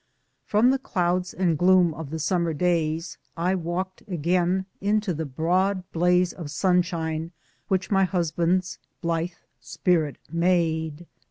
Feom the clouds and gloom of those summer days, I walked again into the broad blaze of sunshine which my husband's blithe spirit made.